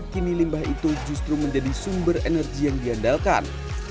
kini limbah itu justru menjadi sumber energi yang diandalkan